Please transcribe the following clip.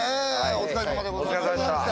お疲れさまでした。